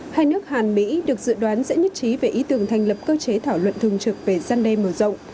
hai nước hàn mỹ được dự đoán sẽ nhất trí về ý tưởng thành lập cơ chế thảo luận thường trực về gian đe mở rộng